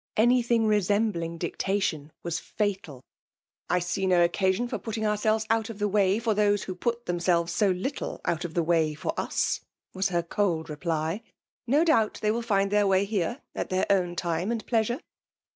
Anytliing resciablmg dicta tiou was fatal, *' I see no occasion for putting ourselves out of tlie way for tlK>8e who put themselves so little out of the way for us,'' was her cold reply. '^ No doubt they will find their way here at their own time and pleasure."